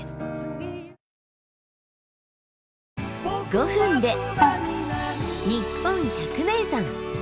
５分で「にっぽん百名山」。